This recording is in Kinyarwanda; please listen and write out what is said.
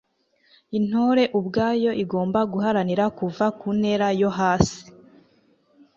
intore ubwayo igomba guharanira kuva ku ntera yo hasi